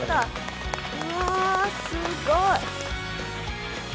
うわすごい。